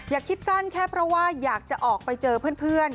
คิดสั้นแค่เพราะว่าอยากจะออกไปเจอเพื่อน